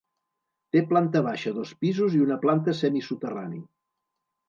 Té planta baixa, dos pisos i una planta semisoterrani.